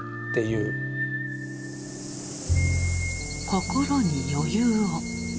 「心に余裕を」。